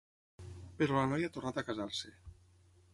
Però la noia ha tornat a casar-se.